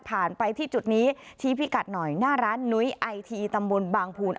ไปที่จุดนี้ชี้พิกัดหน่อยหน้าร้านนุ้ยไอทีตำบลบางภูน